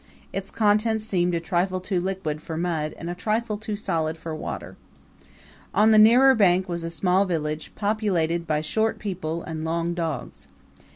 Its contents seemed a trifle too liquid for mud and a trifle too solid for water. On the nearer bank was a small village populated by short people and long dogs.